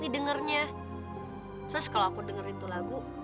didengernya terus kalau aku dengerin lagu